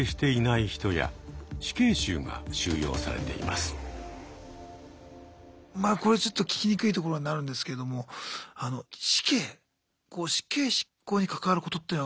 まあこれちょっと聞きにくいところになるんですけども死刑死刑執行に関わることっていうのはあります？